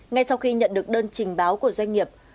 ngay sau khi nhận được đơn trình báo của doanh nghiệp